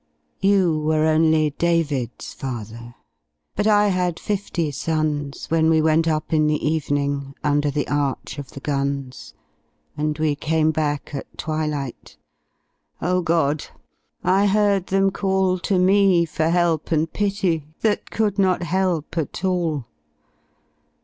You were, only David's father, But I had fifty sons When we went up in the evening Under the arch of the guns, And we came back at twilight — O God ! I heard them call To me for help and pity That could not help at all.